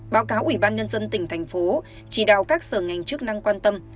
báo cáo ủy ban nhân dân tỉnh thành phố chỉ đạo các sở ngành chức năng quan tâm